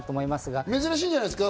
珍しいんじゃないですか？